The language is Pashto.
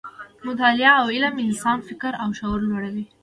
مطالعه او علم د انسان فکر او شعور لوړوي.